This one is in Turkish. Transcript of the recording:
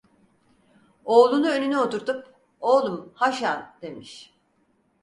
Oğlunu önüne oturtup: "Oğlum, Haşan!" demiş.